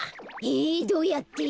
えどうやって？